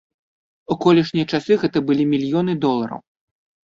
У колішнія часы гэта былі мільёны долараў.